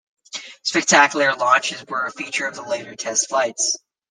Spectacular launches were a feature of later test flights.